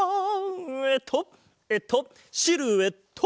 えっとえっとシルエット！